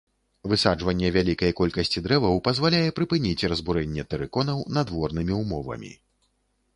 Высаджванне вялікай колькасці дрэваў дазваляе прыпыніць разбурэнне тэрыконаў надворнымі ўмовамі.